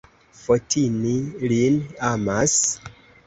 Fotini lin amas?